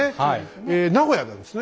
え名古屋なんですね？